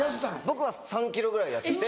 僕は３ｋｇぐらい痩せて。